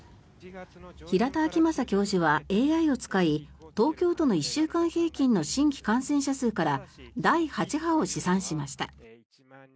平田晃正教授はＡＩを使い東京都の１週間平均の新規感染者数から第８波を試算しました。